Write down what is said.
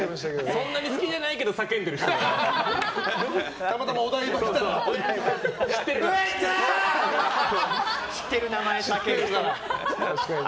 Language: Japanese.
そんなに好きじゃないけど叫んでる人みたいですね。